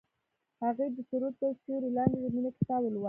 هغې د سرود تر سیوري لاندې د مینې کتاب ولوست.